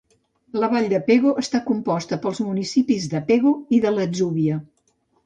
La Vall de Pego està composta pels municipis de Pego i de l'Atzúbia.